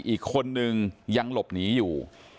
อีกคนนึงยังหลบหนีอยู่